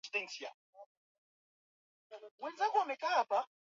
Andaa mkaa kwa ajili ya kupika viazi lishe